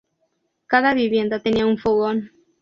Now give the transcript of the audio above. Cada vivienda tenía un fogón.